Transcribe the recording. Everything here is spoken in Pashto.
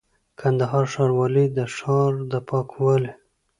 :کندهار ښاروالي د ښار د پاکوالي،